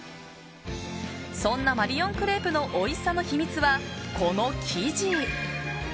そんなマリオンクレープのおいしさの秘密は、この生地！